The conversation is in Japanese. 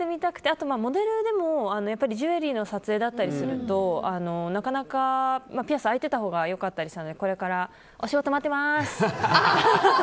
あと、モデルでもジュエリーの撮影だったりするとピアス開いてたほうが良かったりしたのでこれからお仕事待ってます！